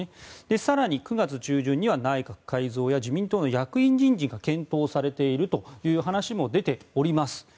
更に９月中旬には内閣改造や自民党の役員人事が検討されているという話も出ております。